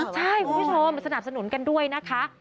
ใช่คุณผู้ชมสนับสนุนกันด้วยนะคะ